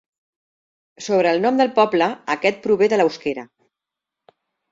Sobre el nom del poble, aquest prové de l'euskera.